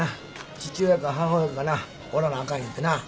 父親か母親かなおらなあかん言うてな。